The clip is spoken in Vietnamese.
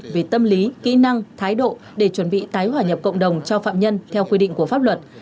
về tâm lý kỹ năng thái độ để chuẩn bị tái hỏa nhập cộng đồng cho phạm nhân theo quy định của pháp luật